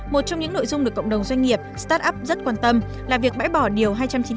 một trong những nội dung được cộng đồng doanh nghiệp start up rất quan tâm là việc bãi bỏ điều hai trăm chín mươi